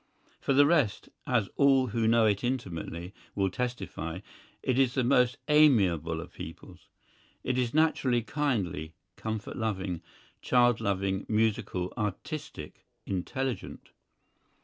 For the rest, as all who know it intimately will testify, it is the most amiable of peoples. It is naturally kindly, comfort loving, child loving, musical, artistic, intelligent.